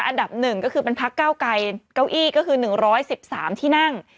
อันดับ๑ก็คือเป็นพักเก้าไกรเก้าอี้ก็คือ๑๑๓ที่นั่ง